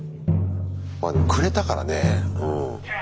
まあでもくれたからねぇうん。